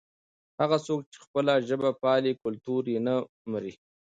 هغه څوک چې خپله ژبه پالي کلتور یې نه مري.